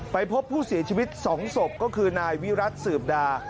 พบผู้เสียชีวิต๒ศพก็คือนายวิรัติสืบดา